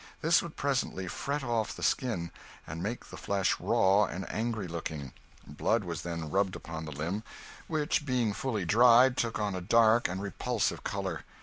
This would presently fret off the skin, and make the flesh raw and angry looking; blood was then rubbed upon the limb, which, being fully dried, took on a dark and repulsive colour.